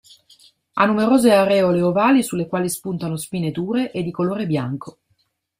Ha numerose areole ovali sulle quali spuntano spine dure e di colore bianco.